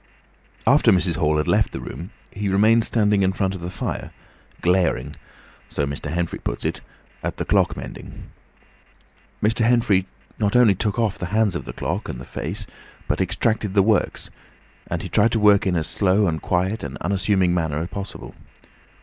After Mrs. Hall had left the room, he remained standing in front of the fire, glaring, so Mr. Henfrey puts it, at the clock mending. Mr. Henfrey not only took off the hands of the clock, and the face, but extracted the works; and he tried to work in as slow and quiet and unassuming a manner as possible.